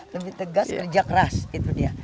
lebih tegas kerja keras gitu dia